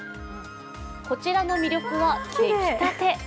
こちらの魅力は出来たて。